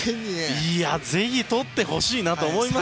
ぜひ取ってほしいなと思いますし。